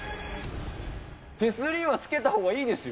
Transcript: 手すりはつけたほうがいいですよ。